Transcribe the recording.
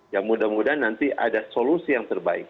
ya mudah mudahan nanti ada solusi yang terbaik